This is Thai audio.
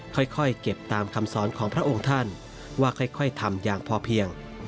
ค่อยเก็บตามคำสอนของพระองค์ท่านว่าค่อยทำอย่างพอเพียง